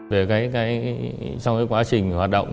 về cái sau cái quá trình hoạt động